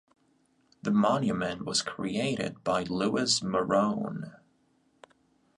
The monument was created by Luis Morrone.